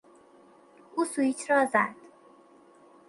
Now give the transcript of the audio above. او سویچ را زد.